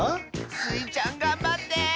スイちゃんがんばって！